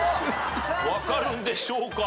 分かるんでしょうか？